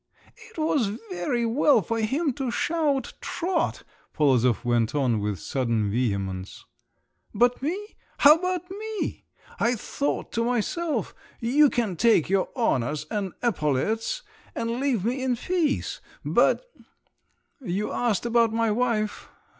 "It was very well for him to shout, 'Trot!'" Polozov went on with sudden vehemence, "But me! how about me? I thought to myself, 'You can take your honours and epaulettes—and leave me in peace!' But … you asked about my wife?